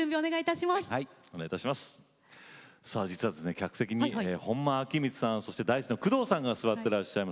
客席に本間昭光さんそしてＤａ−ｉＣＥの工藤さんが座ってらっしゃいます。